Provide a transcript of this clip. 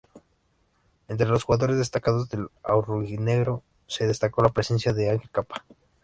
Entre los jugadores destacados del "aurinegro" se destacó la presencia de Ángel Cappa.